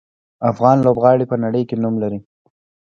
افغان لوبغاړي په نړۍ کې نوم لري.